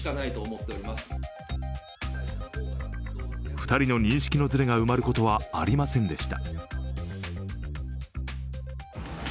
２人の認識のずれが埋まることはありませんでした。